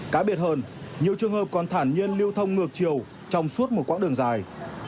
cá biệt hơn nhiều trường hợp còn thản nhiên lưu thông ngược chiều trong suốt một quãng đường dài